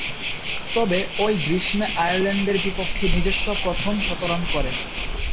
তবে, ঐ গ্রীষ্মে আয়ারল্যান্ডের বিপক্ষে নিজস্ব প্রথম শতরান করেন।